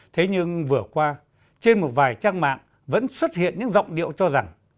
thế nhưng vừa qua trên một vài trang mạng vẫn xuất hiện những giọng điệu cho rằng